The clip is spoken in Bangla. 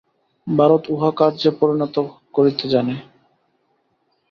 ভারত উহা কার্যে পরিণত করিতে জানে।